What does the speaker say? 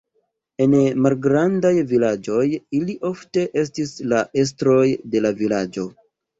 En malgrandaj vilaĝoj ili ofte estis la estroj de la vilaĝo.